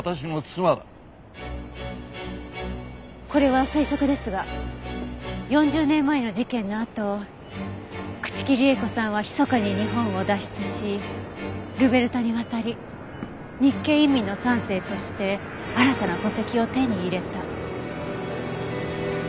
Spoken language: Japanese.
これは推測ですが４０年前の事件のあと朽木里江子さんはひそかに日本を脱出しルベルタに渡り日系移民の３世として新たな戸籍を手に入れた。